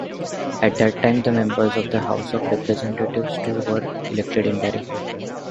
At that time, the members of the House of Representatives too were elected indirectly.